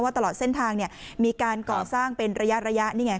ว่าตลอดเส้นทางเนี้ยมีการก่อสร้างเป็นระยะระยะนี่ไง